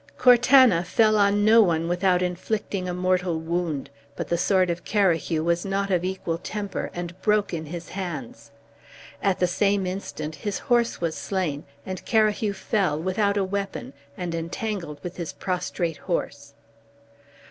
Cortana fell on no one without inflicting a mortal wound, but the sword of Carahue was not of equal temper and broke in his hands. At the same instant his horse was slain, and Carahue fell, without a weapon, and entangled with his prostrate horse.